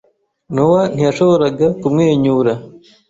Nowa ntiyashoboraga kumwenyura.